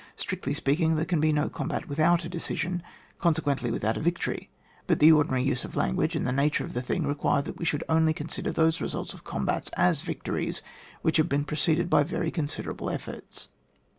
Strictiy speaking, there can be no combat without a decision, conse quently without a victory ; but the ordi nary use of language, and the nature of the thing, require that we should only consider those results of combats as vie tories which have been preceded by very considerable efforts.